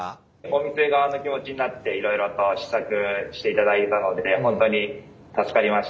お店側の気持ちになっていろいろと試作していただいたので本当に助かりました。